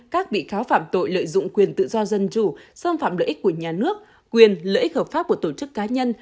các bị cáo phạm tội lợi dụng quyền tự do dân chủ xâm phạm lợi ích của nhà nước quyền lợi ích hợp pháp của tổ chức cá nhân